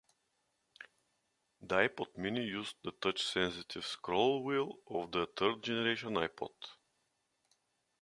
The iPod Mini used the touch-sensitive scroll wheel of the third generation iPod.